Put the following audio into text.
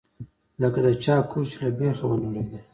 لکه د چا کور چې له بيخه ونړوې.